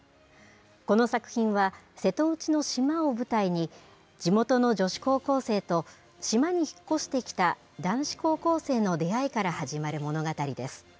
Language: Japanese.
この作品は、瀬戸内の島を舞台に、地元の女子高校生と島に引っ越してきた男子高校生の出会いから始まる物語です。